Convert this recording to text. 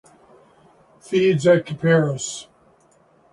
Feeds on "Capparis".